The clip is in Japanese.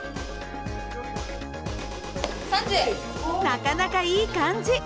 なかなかいい感じ。